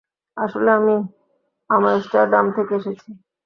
আসলে, আমি আমস্টারডাম থেকে এসেছি।